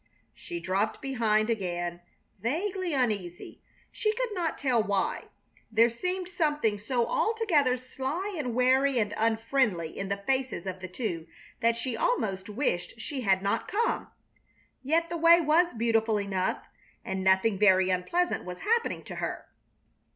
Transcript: She dropped behind again, vaguely uneasy, she could not tell why. There seemed something so altogether sly and wary and unfriendly in the faces of the two that she almost wished she had not come. Yet the way was beautiful enough and nothing very unpleasant was happening to her.